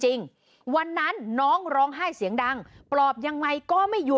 จริงจริงจริงจริงจริงจริงจริงจริงจริง